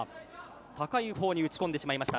高い方に打ち込んでしまいました。